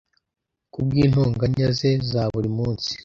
kubwintonganya ze zaburi munsi